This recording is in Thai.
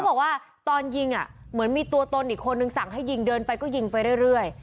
บอกว่าตอนยิงเหมือนมีตัวตนอีกคนนึงสั่งให้ยิงเดินไปก็ยิงไปเรื่อย